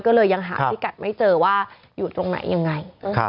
ก็เลยยังหาพิกัดไม่เจอว่าอยู่ตรงไหนยังไง